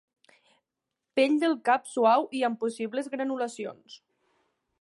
Pell del cap suau i amb possibles granulacions.